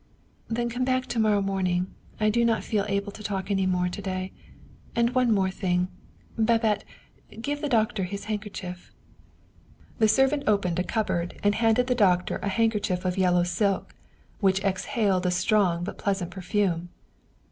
" Then come back to morrow morning. I do not feel able to talk any more to day. And one thing more. Ba bette, give the doctor his handkerchief." The servant opened a cupboard and handed the doctor a handkerchief of yellow silk which exhaled a strong but pleasant perfume.